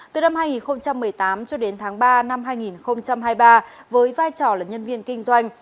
từ năm hai nghìn một mươi tám cho đến tháng ba năm hai nghìn hai mươi ba với vai trò là nhân viên kinh doanh